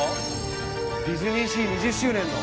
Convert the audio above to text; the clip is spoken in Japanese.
ディズニーシー２０周年の。